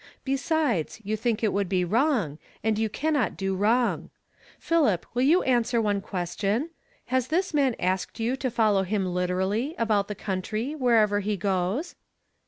Besides, you think it would be wrong, and you cannot do wrong. Pliilip, will you answer one question? Has this man asked you to follow him literally, about the country, wherever he goes